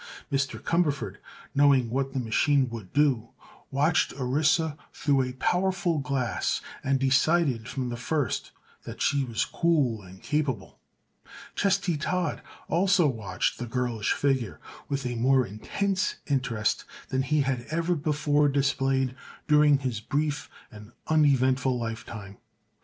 Mr. Cumberford, knowing what the machine would do, watched Orissa through a powerful glass and decided from the first that she was cool and capable. Chesty Todd also watched the girlish figure, with a more intense interest than he had ever before displayed during his brief and uneventful lifetime.